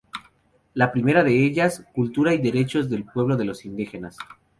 La primera de ellas: Cultura y Derechos de los Pueblos Indígenas.